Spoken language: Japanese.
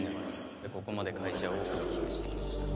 でここまで会社を大きくしてきました